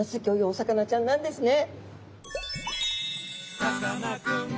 お魚ちゃんなんですね。